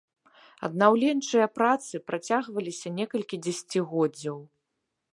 Аднаўленчыя працы працягваліся некалькі дзесяцігоддзяў.